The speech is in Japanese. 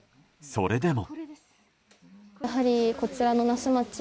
それでも。